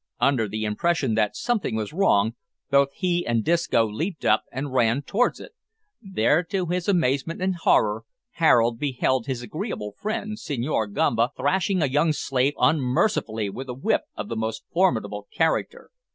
Under the impression that something was wrong, both he and Disco leaped up and ran towards it. There, to his amazement and horror, Harold beheld his agreeable friend Senhor Gamba thrashing a young slave unmercifully with a whip of the most formidable character.